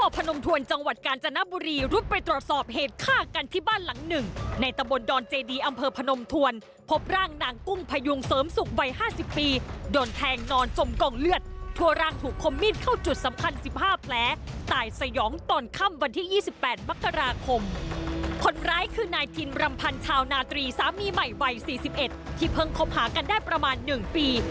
พรรมพันธุ์ชาวนาตรีสามีใหม่วัยสี่สิบเอ็ดที่เพิ่งคบหากันได้ประมาณหนึ่งปี